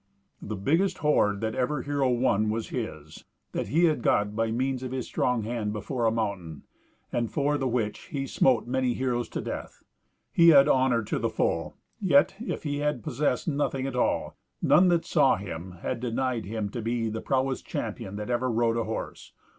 The biggest hoard that ever hero won was his; that he had got by means of his strong hand before a mountain, and for the which he smote many heroes to death. He had honour to the full; yet, if he had possessed nothing at all, none that saw him had denied him to be the prowest champion that ever rode a horse.